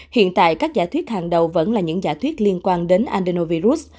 hiện tại các giả thuyết hàng đầu vẫn là những giả thuyết liên quan đến andenovirus